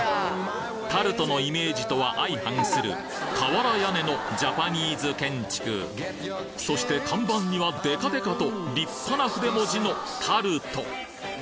タルトのイメージとは相反する瓦屋根のジャパニーズ建築そして看板にはデカデカと立派な筆文字の「タルト」！